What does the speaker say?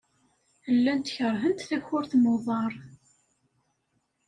Llant keṛhent takurt n uḍar.